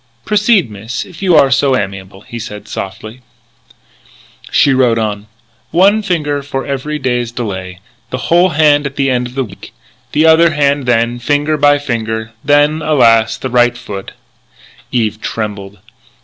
"Proceed miss, if you are so amiable," he said softly. She wrote on: " One finger for every day's delay. The whole hand at the week's end. The other hand then, finger by finger. Then, alas! the right foot " Eve trembled.